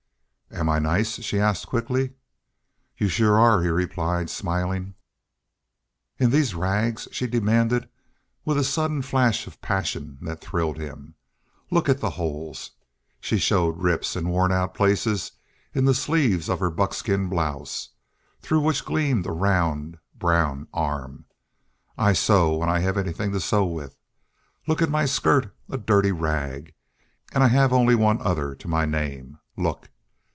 "Am I nice?" she asked, quickly. "You sure are," he replied, smiling. "In these rags," she demanded, with a sudden flash of passion that thrilled him. "Look at the holes." She showed rips and worn out places in the sleeves of her buckskin blouse, through which gleamed a round, brown arm. "I sew when I have anythin' to sew with.... Look at my skirt a dirty rag. An' I have only one other to my name.... Look!"